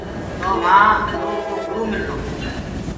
تو وهآنٚ اُرو ڪو گرُ ملرو۔